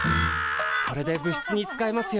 これで部室に使えますよ。